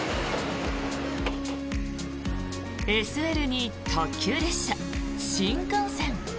ＳＬに特急列車、新幹線。